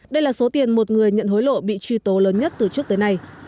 đây là số tiền một người nhận hối lộ bị truy tố lớn nhất từ trước tới nay